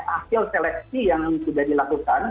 akhir seleksi yang sudah dilakukan